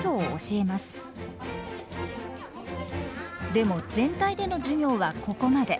でも全体での授業はここまで。